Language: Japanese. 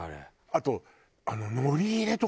あと。